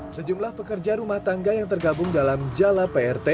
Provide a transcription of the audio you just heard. sejumlah pekerja rumah tangga yang tergabung dalam jala prt